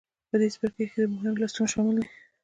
په دې څپرکې کې مهم لوستونه شامل دي.